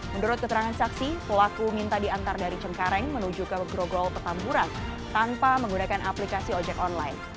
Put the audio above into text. menurut keterangan saksi pelaku minta diantar dari cengkareng menuju ke grogol petamburan tanpa menggunakan aplikasi ojek online